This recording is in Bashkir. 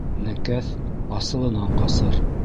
Нәкәҫ асылынан ҡасыр.